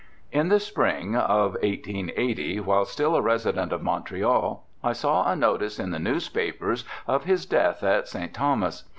In the spring of 1880, while still a resident of Montreal, I saw a notice in the newspapers of his death at St. Thomas.